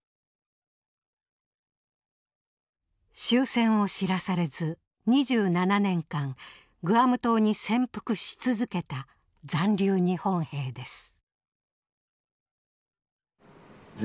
終戦を知らされず２７年間グアム島に潜伏し続けた残留日本兵です。